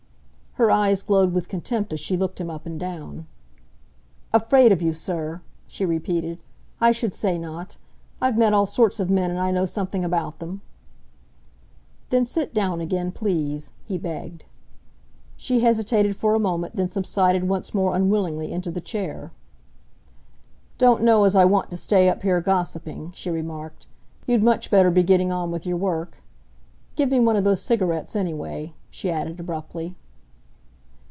Her eyes glowed with contempt as she looked him up and down. "Afraid of you, sir!" she repeated. "I should say not! I've met all sorts of men and I know something about them." "Then sit down again, please," he begged. She hesitated for a moment, then subsided once more unwillingly into the chair. "Don't know as I want to stay up here gossiping," she remarked. "You'd much better be getting on with your work. Give me one of those cigarettes, anyway," she added abruptly.